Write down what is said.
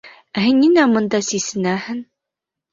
Ә һин ниңә бында сисенәһең?